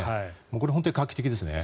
これ、本当に画期的ですね。